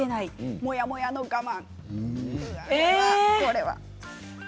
モヤモヤの我慢。